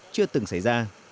chưa từng xảy ra